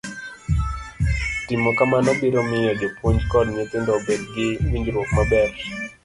Timo kamano biro miyo jopuonj kod nyithindo obed gi winjruok maber.